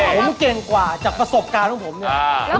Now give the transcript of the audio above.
ผมเก่งกว่าจากประสบการณ์ของผมเนี่ย